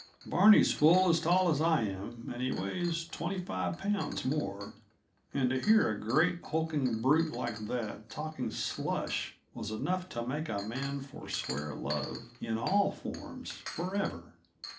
Barney's full as tall as I am, and he weighs twenty five pounds more; and to hear a great, hulking brute like that talking slush was enough to make a man forswear love in all forms forever.